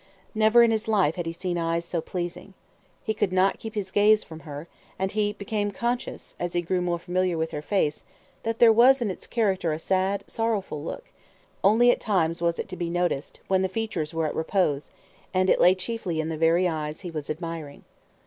Never in his life had he seen eyes so pleasing. He could not keep his gaze from her, and he became conscious, as he grew more familiar with her face, that there was in its character a sad, sorrowful look; only at times was it to be noticed, when the features were at repose, and it lay chiefly in the very eyes he was admiring.